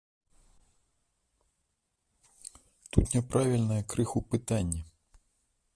Тут няправільнае крыху пытанне.